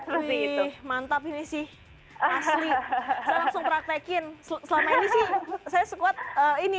seperti itu mantap ini sih asli langsung praktekin selama ini sih saya sekuat ini